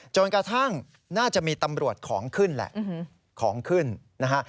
จนกระทั่งน่าจะมีตำรวจของขึ้นแหละของขึ้นนะฮะ